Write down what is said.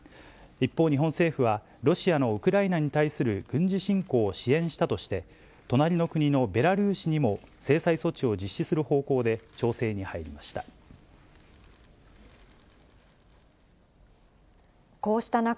一方、日本政府は、ロシアのウクライナに対する軍事侵攻を支援したとして、隣の国のベラルーシにも、制裁措置を実施する方向で調整に入りました。